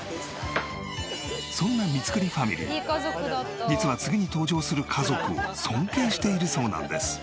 そんな三栗ファミリー実は次に登場する家族を尊敬しているそうなんです。